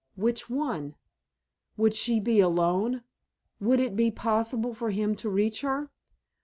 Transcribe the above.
_ Which one? Would she be alone? Would it be possible for him to reach her?